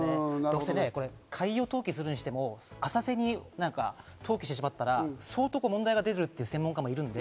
海洋投棄するにしても浅瀬に投棄してしまったら相当問題が出るという専門家もいます。